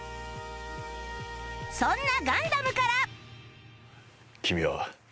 そんな『ガンダム』から